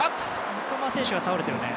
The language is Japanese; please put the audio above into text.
三笘選手が倒れてるね。